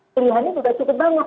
pilihannya juga cukup banget